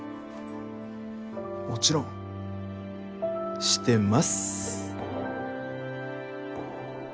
もちろんしてます。